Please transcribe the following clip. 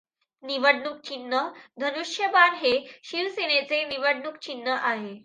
निवडणूक चिन्ह धनुष्यबाण हे शिवसेनेचे निवडणूक चिन्ह आहे.